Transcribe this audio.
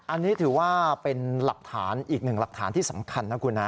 อันนี้ถือว่าเป็นหลักฐานอีกหนึ่งหลักฐานที่สำคัญนะคุณนะ